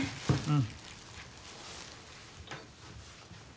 うん。